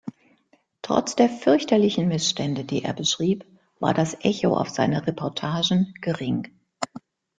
Trotz der fürchterlichen Missstände, die er beschrieb, war das Echo auf seine Reportagen gering.